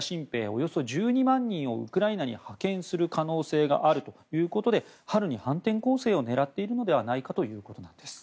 およそ１２万人をウクライナに派遣する可能性があるということで春に反転攻勢を狙っているのではないかということです。